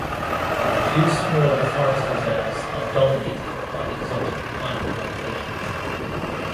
Two smaller forest reserves are dominated by exotic pine plantations.